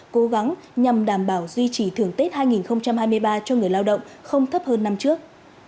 cố gắng nhằm đảm bảo duy trì thường tết hai nghìn hai mươi ba cho người lao động không thấp hơn năm trước